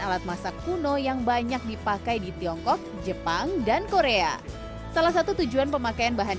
alat masak kuno yang banyak dipakai di tiongkok jepang dan korea salah satu tujuan pemakaian bahan